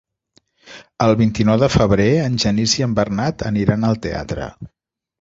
El vint-i-nou de febrer en Genís i en Bernat aniran al teatre.